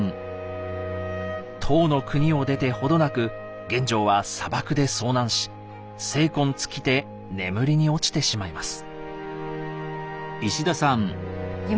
唐の国を出て程なく玄奘は砂漠で遭難し精根尽きて眠りに落ちてしまいます。